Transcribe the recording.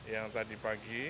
yang tadi pagi